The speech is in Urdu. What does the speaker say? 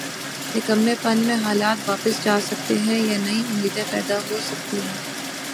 نکمّے پن میں حالات واپس جا سکتے ہیں یا نئی امیدیں پیدا ہو سکتی ہیں۔